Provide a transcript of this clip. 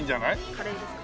カレーですか？